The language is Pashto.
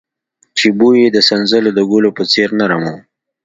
چې بوى يې د سنځلو د ګلو په څېر نرم و.